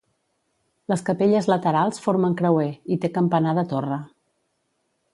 Les capelles laterals formen creuer, i té campanar de torre.